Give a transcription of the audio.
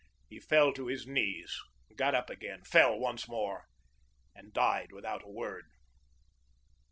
He fell to his knees, got up again, fell once more, and died without a word.